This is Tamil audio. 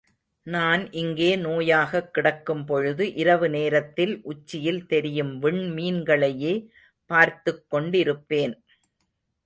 நான் இங்கே நோயாகக் கிடக்கும்பொழுது, இரவு நேரத்தில் உச்சியில் தெரியும் விண்மீன்களையே பார்த்துக் கொண்டிருப்பேன்.